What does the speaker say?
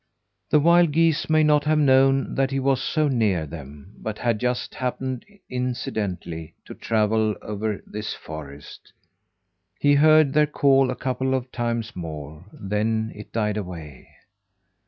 The wild geese may not have known that he was so near them, but had just happened, incidentally, to travel over this forest. He heard their call a couple of times more, then it died away.